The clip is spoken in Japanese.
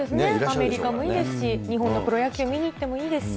アメリカでもいいですし、日本のプロ野球見に行ってもいいですし。